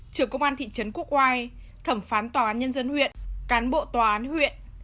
trưởng công an thị trấn quốc oai thẩm phán tòa án nhân dân huyện cán bộ tòa án huyện